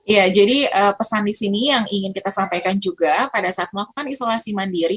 ya jadi pesan di sini yang ingin kita sampaikan juga pada saat melakukan isolasi mandiri